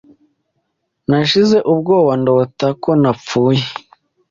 Nashize ubwoba ndota ko napfuye.